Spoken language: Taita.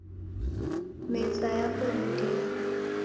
Meza yapo ni ndini